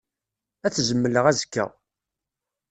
Ad t-zemleɣ azekka.